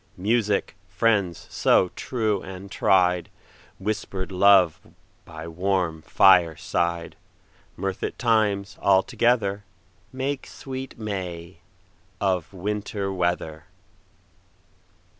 Music, friends so true and tried, Whisper'd love by warm fireside, Mirth at all times all together, Make sweet May of Winter weather.